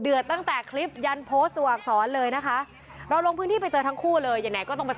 เลิกเลิกเลิกเลิกเลิกเลิกเลิกเลิกเลิกเลิกเลิกเลิกเลิกเลิกเลิก